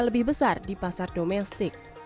lebih besar di pasar domestik